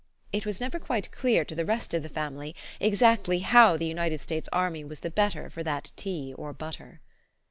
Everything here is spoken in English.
It was never quite clear to the rest of the family exactly how the United States army was the better for that tea or butter.